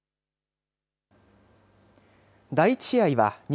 第１試合は西